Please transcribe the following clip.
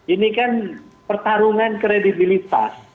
ini kan pertarungan kredibilitas